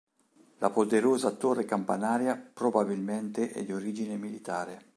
La poderosa torre campanaria probabilmente è di origine militare.